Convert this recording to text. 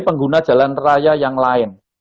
pengguna jalan raya yang lain